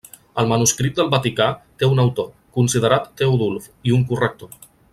El manuscrit del Vaticà té un autor, considerat Teodulf, i un corrector.